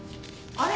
・あれ？